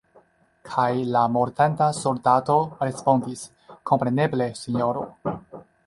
Kaj la mortanta soldato respondis: “Kompreneble, sinjoro!